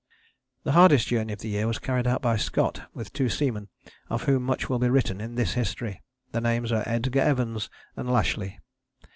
The hardest journey of this year was carried out by Scott with two seamen of whom much will be written in this history. Their names are Edgar Evans and Lashly.